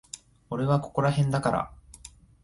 俺はここらへんだから。